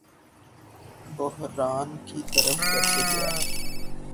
بحران کی طرف کیسے گیا